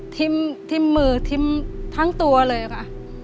ทิ้มมือทิ้มทั้งตัวเลยค่ะ